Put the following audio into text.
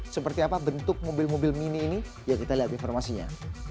seperti apa bentuk mobil mobil mini ini ya kita lihat informasinya